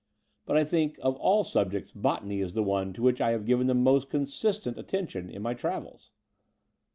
But I think of all subjects botany is the one to which I have given the most consistent attention in my travels."